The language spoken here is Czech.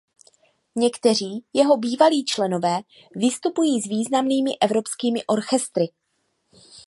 Někteří jeho bývalí členové vystupují s významnými evropskými orchestry.